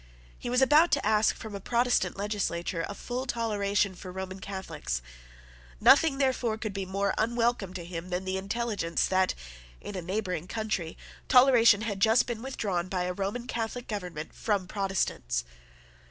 He was about to ask from a Protestant legislature a full toleration for Roman Catholics. Nothing, therefore, could be more unwelcome to him than the intelligence that, in a neighbouring country, toleration had just been withdrawn by a Roman Catholic government from Protestants.